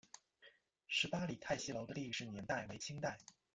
十八里汰戏楼的历史年代为清代。